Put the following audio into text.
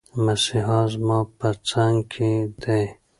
مسیحا زما په څنګ کې دی.